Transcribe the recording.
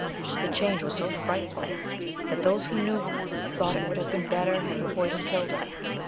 The change was so frightful that those who knew her thought it would have been better had the poison killed her.